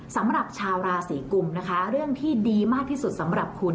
สำหรับชาวราศีกุมนะคะเรื่องที่ดีมากที่สุดสำหรับคุณ